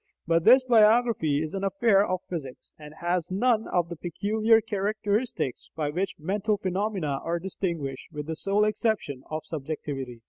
But this biography is an affair of physics, and has none of the peculiar characteristics by which "mental" phenomena are distinguished, with the sole exception of subjectivity.